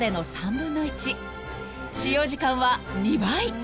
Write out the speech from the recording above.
［使用時間は２倍］